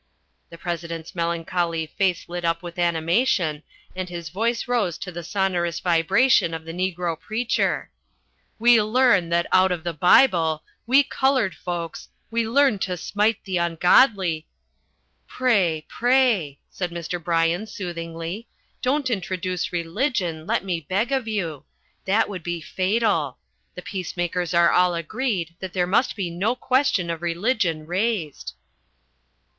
The President's melancholy face lit up with animation and his voice rose to the sonorous vibration of the negro preacher. "We learn that out of the Bible, we coloured folks we learn to smite the ungodly " "Pray, pray," said Mr. Bryan soothingly, "don't introduce religion, let me beg of you. That would be fatal. We peacemakers are all agreed that there must be no question of religion raised."